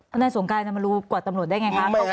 ท่านท่านสวงกายเป็นบรรลูปกว่าตำรวจได้อย่างไรคะ